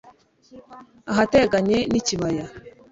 ahateganye n'ikibaya